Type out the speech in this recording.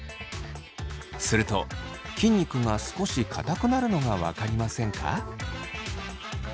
すると筋肉が少しかたくなるのが分かりませんか？